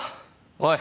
おい。